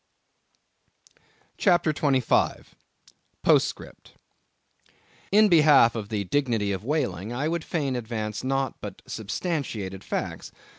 CHAPTER 25. Postscript. In behalf of the dignity of whaling, I would fain advance naught but substantiated facts.